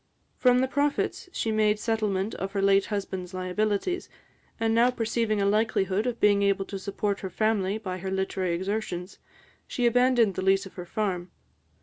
From the profits, she made settlement of her late husband's liabilities; and now perceiving a likelihood of being able to support her family by her literary exertions, she abandoned the lease of her farm.